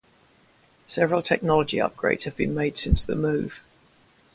Several technology upgrades have been made since the move.